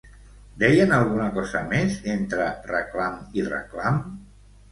Deien alguna cosa més entre reclam i reclam?